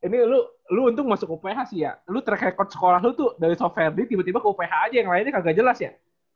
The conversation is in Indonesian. eh ini lo untung masuk uph sih ya lo track record sekolah lo tuh dari soferdi tiba tiba ke uph aja yang lainnya kagak jelas ya